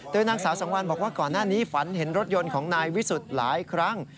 นางสาวสังวัลบอกว่าก่อนหน้านี้ฝันเห็นรถยนต์ของนายวิสุทธิ์หลายครั้ง